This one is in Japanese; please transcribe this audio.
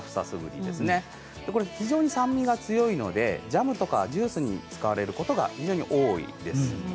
非常に酸味が強いのでジャムとかジュースに使われることが非常に多いです。